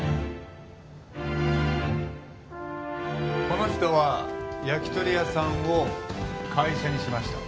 この人は焼き鳥屋さんを会社にしました。